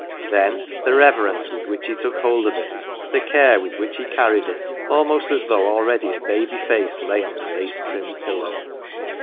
Then the reverence with which he took hold of it, the care with which he earned it, almost as though already a baby face lay on the lace trimmed pillow!